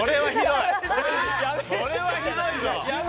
それはひどいぞ！